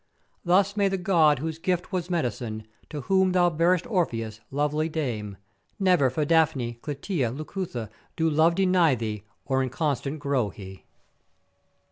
Thus may the God whose gift was Medicine, to whom thou barest Orpheus, lovely Dame! never for Daphne, Clytia, Leucothoe due love deny thee or inconstant grow he.